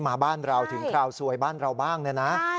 มาบ้านเราถึงคราวซวยบ้านเราบ้างเนี่ยนะ